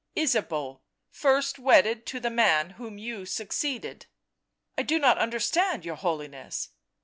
il Ysabeau, first wedded to the man whom you succeeded." " I do not understand your Holiness."